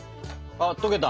あっとけた！